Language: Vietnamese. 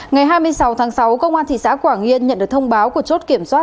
ngày hai mươi sáu tháng sáu công an thị xã quảng yên nhận được thông báo của chốt kiểm soát